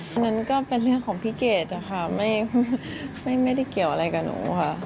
อันนั้นก็เป็นเรื่องของพี่เกดนะคะไม่ได้เกี่ยวอะไรกับหนูค่ะ